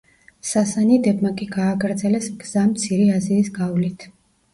სასანიდებმა კი გააგრძელეს გზა მცირე აზიის გავლით.